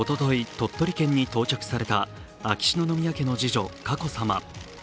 鳥取県に到着された秋篠宮家の次女・佳子さま。